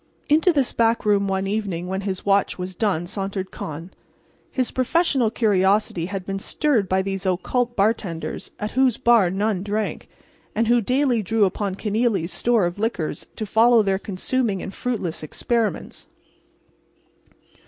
Into this back room one evening when his watch was done sauntered Con. His professional curiosity had been stirred by these occult bartenders at whose bar none drank, and who daily drew upon Kenealy's store of liquors to follow their consuming and fruitless experiments.